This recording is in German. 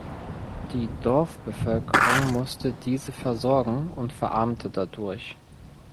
Die Dorfbevölkerung musste diese versorgen und verarmte dadurch.